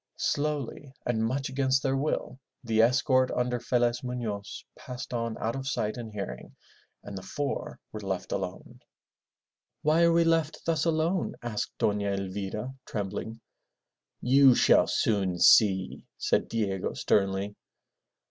Slowly and much against their will, the escort under Felez Mufioz passed on out of sight and hearing, and the four were left alone. "Why are we left thus alone?" asked Dona Elvira trembling. "You shall soon see," said Diego sternly.